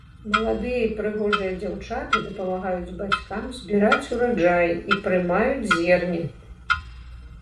Маладыя і прыгожыя дзяўчаты дапамагаюць бацькам збіраць ураджай і прымаюць зерне.